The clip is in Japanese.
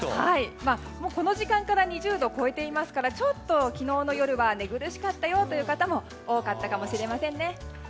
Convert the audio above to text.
この時間から２０度を超えていますからちょっと昨日の夜は寝苦しかったよという方も多かったかもしれませんね。